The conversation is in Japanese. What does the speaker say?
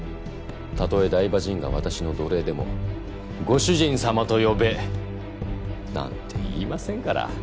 たとえ台場陣が私の奴隷でも「ご主人様と呼べ」なんて言いませんから。